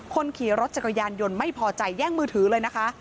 คนขี่รถจักรยานยนต์ไม่พอใจแย่งมือถือเลยนะคะ